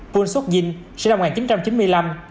boon sook jin sinh năm một nghìn chín trăm chín mươi năm